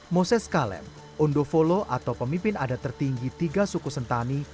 moses kalem undo volo atau pemimpin adat tertinggi tiga suku sentani